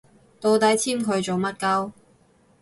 到底簽佢做乜 𨳊